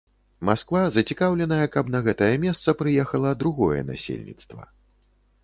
Масква зацікаўленая, каб на гэтае месца прыехала другое насельніцтва.